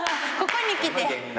ここにきて。